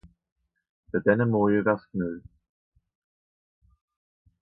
Fer denne Morje wär's genue.